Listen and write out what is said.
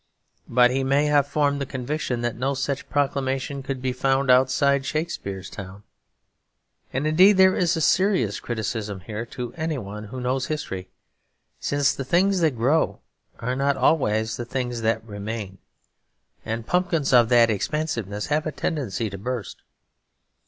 But he may have formed the conviction that no such proclamation could be found outside Shakespeare's town. And indeed there is a serious criticism here, to any one who knows history; since the things that grow are not always the things that remain; and pumpkins of that expansiveness have a tendency to burst.